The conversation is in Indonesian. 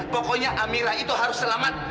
pokoknya amirah itu harus selamat